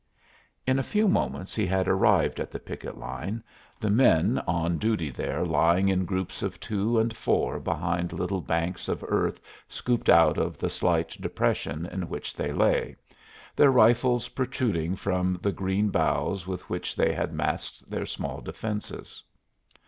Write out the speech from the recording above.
In a few moments he had arrived at the picket line, the men on duty there lying in groups of two and four behind little banks of earth scooped out of the slight depression in which they lay, their rifles protruding from the green boughs with which they had masked their small defenses.